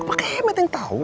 pak kemet yang tahu